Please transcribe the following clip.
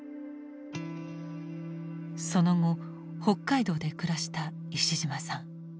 その後北海道で暮らした石島さん。